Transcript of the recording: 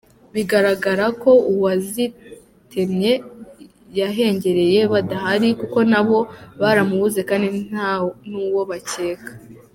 Bigaragara ko uwazitemye yahengereye badahari kuko nabo baramubuze kandi nta nuwo bakeka”.